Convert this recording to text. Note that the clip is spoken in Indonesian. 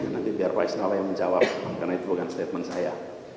nanti biar pak isnawa yang menjawab karena itu bukan statement saya